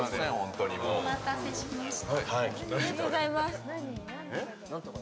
お待たせしました。